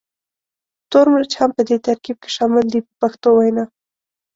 تور مرچ هم په دې ترکیب کې شامل دی په پښتو وینا.